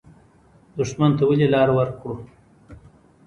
دښمن ته ولې لار ورکړو؟